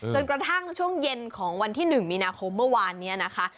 จนกระทั่งช่วงเย็นของวันที่๑มีนาคมเมื่อวานนี้นะคะ